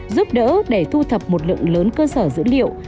giúp đỡ để thu thập một lượng lớn cơ sở dữ liệu